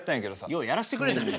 ようやらしてくれたね。